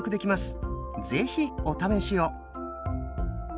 是非お試しを！